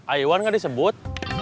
aywan gak disebut